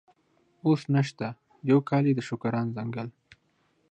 اوس نشته، یو کال یې د شوکران ځنګل.